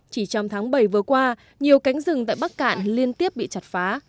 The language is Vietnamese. chỉ trong tháng bảy vừa qua nhiều cánh rừng tại bắc cạn liên tiếp bị chặt phá